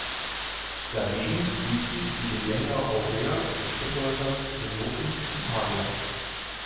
Dagegen sieht sie die Legenda aurea als Sterndeuter, Philosophen und Magier.